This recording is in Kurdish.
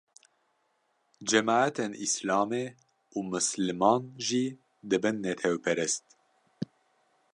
cemeatên Îslamê û misliman jî dibin netewperest